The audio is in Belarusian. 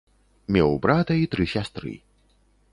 Меў брата й тры сястры.